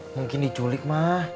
mungkin diculik ma